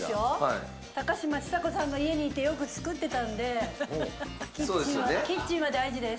高嶋ちさ子さんの家に行ってよく作ってたんでキッチンは大事です。